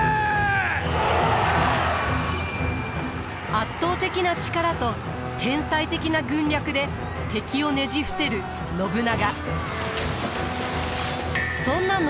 圧倒的な力と天才的な軍略で敵をねじ伏せる信長。